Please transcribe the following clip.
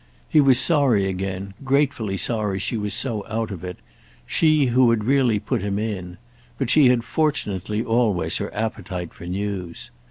He was sorry again, gratefully sorry she was so out of it—she who had really put him in; but she had fortunately always her appetite for news.